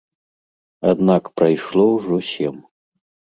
Аднак прайшло ўжо сем.